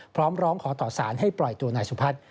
พร้อมร้องขอต่อสารให้ปล่อยตัวนายสุพัฒน์